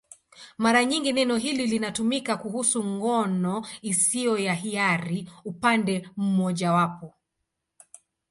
Mara nyingi neno hili linatumika kuhusu ngono isiyo ya hiari upande mmojawapo.